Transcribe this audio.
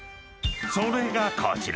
［それがこちら。